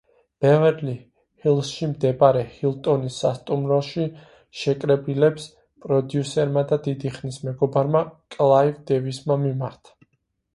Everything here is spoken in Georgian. ბევერლი ჰილსში მდებარე ჰილტონის სასტუმროში შეკრებილებს პროდიუსერმა და დიდი ხნის მეგობარმა კლაივ დევისმა მიმართა.